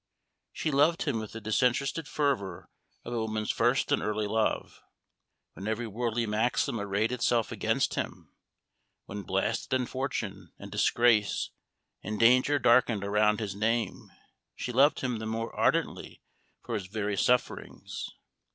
She loved him with the disinterested fervor of a woman's first and early love. When every worldly maxim arrayed itself against him; when blasted in fortune, and disgrace and danger darkened around his name, she loved him the more ardently for his very sufferings.